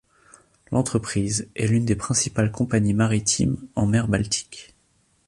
L'entreprise est l'une des principales compagnies maritimes en mer Baltique.